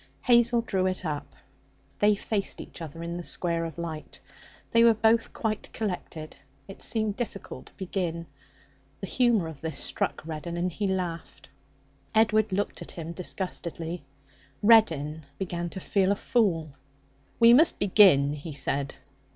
Hazel drew it up. They faced each other in the square of light. They were both quite collected. It seemed difficult to begin. The humour of this struck Reddin, and he laughed. Edward looked at him disgustedly. Reddin began to feel a fool. 'We must begin,' he said.